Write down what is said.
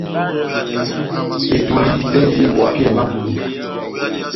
Betoli bendini bo hapiyɛhɛ mba ó mʼpudungu.